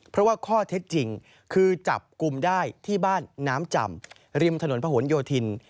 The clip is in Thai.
เพราะว่าข้อเท็จจริงคือจับกลุ่มได้ที่บ้านน้ำจำริมถนนพะหนโยธิน